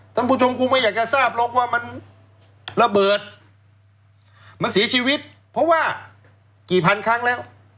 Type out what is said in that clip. ท่านผู้ชมคงไม่อยากจะทราบหรอกว่ามันระเบิดมันเสียชีวิตเพราะว่ากี่พันครั้งแล้ว